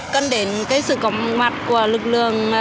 cần đến cái sự cổng mặt của lực lượng